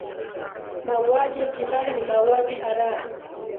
mauaji ya kimbari ni mauaji haramu